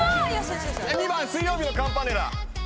２番水曜日のカンパネラ。